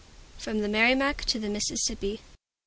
FROM THE MERRIMACK TO THE MISSISSIPPI.